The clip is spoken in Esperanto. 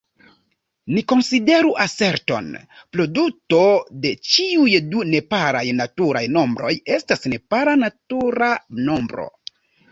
Ni konsideru aserton: "Produto de ĉiuj du neparaj naturaj nombroj estas nepara natura nombro.